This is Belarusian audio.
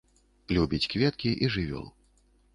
Любіць кветкі і жывёл.